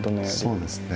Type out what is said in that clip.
そうですね。